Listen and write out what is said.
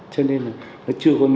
cho nên là nó chưa có nhất